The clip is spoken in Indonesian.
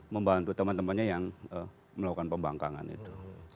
membantu teman temannya yang melakukan pembangkangan itu